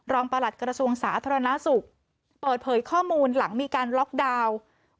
ประหลัดกระทรวงสาธารณสุขเปิดเผยข้อมูลหลังมีการล็อกดาวน์